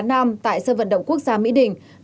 nam tại sân vận động quốc gia mỹ đình